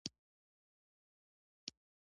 کلتور د افغانانو د تفریح یوه وسیله ده.